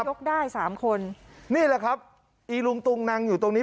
ยกได้สามคนนี่แหละครับอีลุงตุงนังอยู่ตรงนี้